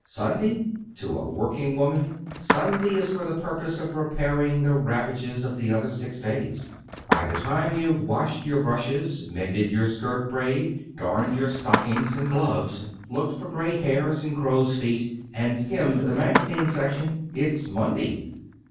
Sunday? To a working woman, Sunday is for the purpose of repairing the ravages of the other six days. By the time you've washed your brushes, mended your skirt braid, darned your stockings and gloves, looked for gray hairs and crows' feet, and skimmed the magazine section, it's Monday."